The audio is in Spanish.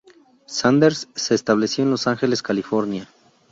Sanders se estableció en Los Ángeles, California.